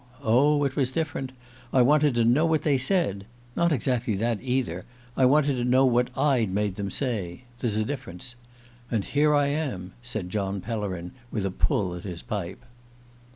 Oh, it was different. I wanted to know what they said. ... Not exactly that, either: I wanted to know what I'd made them say. There's a difference. ... And here I am," said John Pellerin, with a pull at his pipe.